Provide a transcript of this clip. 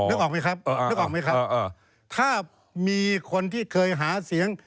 นึกออกไหมครับนึกออกไหมครับถ้ามีคนที่เคยหาเสียง